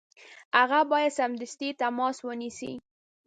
هغه باید سمدستي تماس ونیسي.